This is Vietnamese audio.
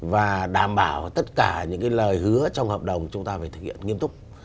và đảm bảo tất cả những cái lời hứa trong hợp đồng chúng ta phải thực hiện nghiêm túc